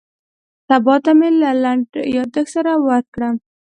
سبا ته مې له لنډ یاداښت سره ورکړه.